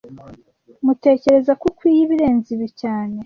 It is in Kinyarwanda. Tmutekereza ko ukwiye ibirenze ibi cyane